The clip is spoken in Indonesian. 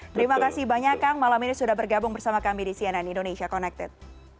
terima kasih banyak kang malam ini sudah bergabung bersama kami di cnn indonesia connected